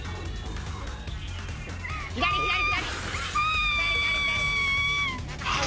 左左左。